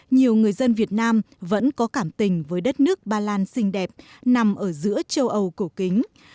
nhiều người dân việt nam vẫn có cảm tình với đất nước ba lan xinh đẹp nằm ở giữa châu âu cổ kính